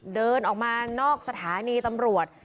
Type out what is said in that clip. เดินออกมานอกสถานีตำรวจ